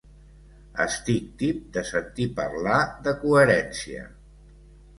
Estic tip de sentir parlar de coherència.